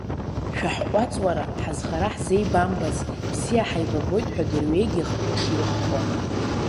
Шәаҳҟәаҵ уара, ҳазхара ҳзеибамбац, бзиа ҳаибабоит ҳәа дырҩегьых иҽирххон.